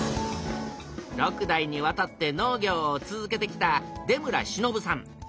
６代にわたって農業を続けてきた出村忍さん。